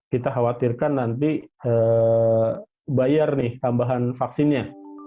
kita akan nanti bayar tambahan vaksinnya